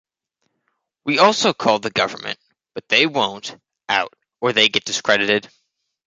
We also called the government, but they won’t, out or they get discredited.